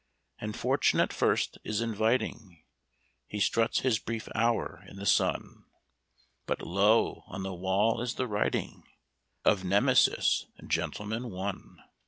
And fortune at first is inviting He struts his brief hour in the sun But, lo! on the wall is the writing Of Nemesis, "Gentleman, One".